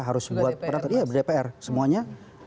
ya dpr semuanya